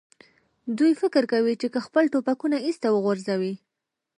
دوی فکر کوي، چې که خپل ټوپکونه ایسته وغورځوي.